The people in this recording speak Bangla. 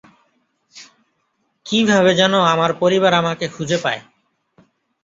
কিভাবে যেন আমার পরিবার আমাকে খুজে পায়।